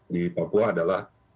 di papua adalah